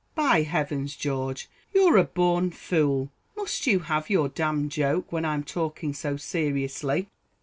"By heavens, George, you're a born fool; must you have your d d joke, when I'm talking so seriously?"